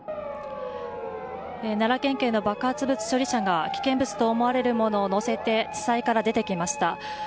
奈良県警の爆発物処理車が危険物と思われるものを載せて地裁から出てきました。